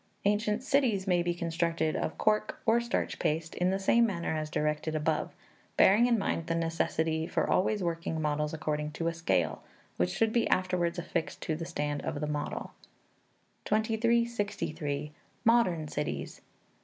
Ancient cities may be constructed of cork or starch paste, in the same manner as directed above; bearing in mind the necessity for always working models according to a scale, which should be afterwards affixed to the stand of the model. 2363. Modern Cities.